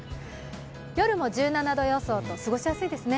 夜も１７度と過ごしやすいですね。